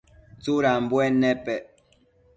Tsudambuen nepec ?